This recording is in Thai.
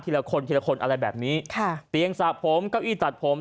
ละคนทีละคนอะไรแบบนี้ค่ะเตียงสระผมเก้าอี้ตัดผม